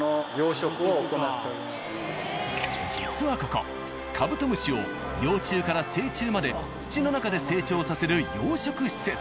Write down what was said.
実はここカブトムシを幼虫から成虫まで土の中で成長させる養殖施設。